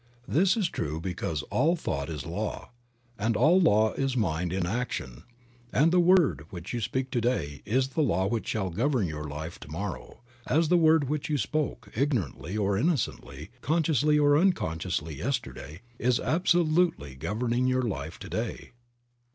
This is true because all thought is law, and all law is mind in action, and the word which you speak to day is the law which shall govern your life to morrow, as the word which you spoke, ignorantly or innocently, consciously or uncon 68 Creative Mind. sciously yesterday, is absolutely governing your life to day.